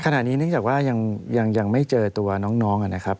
เนื่องจากว่ายังไม่เจอตัวน้องนะครับ